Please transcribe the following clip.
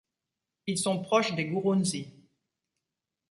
Ils sont proches des Gurunsi.